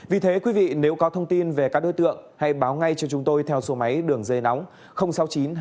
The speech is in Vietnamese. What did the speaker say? vì thế quý vị nếu có thông tin về các đối tượng hãy báo ngay cho chúng tôi theo số máy đường dây nóng